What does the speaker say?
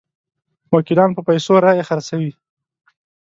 وکیلان په پیسو رایې خرڅوي.